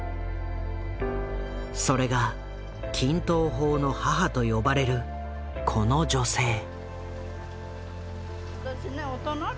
それが「均等法の母」と呼ばれるこの女性。